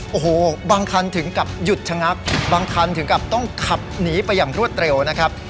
โอ้โหบางคันถึงกับหยุดชะงักบางคันถึงกับต้องขับหนีไปอย่างรวดเร็วนะครับ